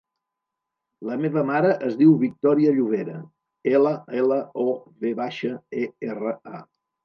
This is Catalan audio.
La meva mare es diu Victòria Llovera: ela, ela, o, ve baixa, e, erra, a.